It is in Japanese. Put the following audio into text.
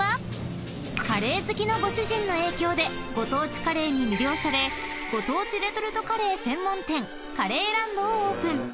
［カレー好きのご主人の影響でご当地カレーに魅了されご当地レトルトカレー専門店カレーランドをオープン］